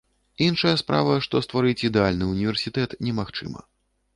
Іншая справа, што стварыць ідэальны універсітэт немагчыма.